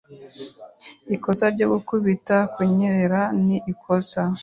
Ikosa ryo gukubita-kunyerera ni ikosa